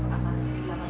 karena kami selama ini